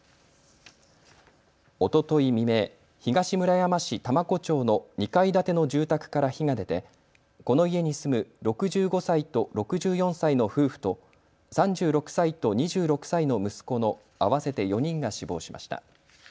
おととい未明、東村山市多摩湖町の２階建ての住宅から火が出て、この家に住む６５歳と６４歳の夫婦と３６歳と２６歳の息子の合わせて４人が死亡しました。